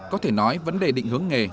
có thể nói vấn đề định hướng nghề